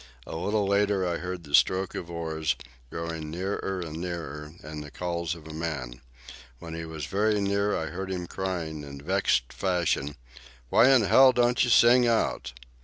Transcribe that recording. A little later I heard the stroke of oars, growing nearer and nearer, and the calls of a man. When he was very near I heard him crying, in vexed fashion, "Why in hell don't you sing out?"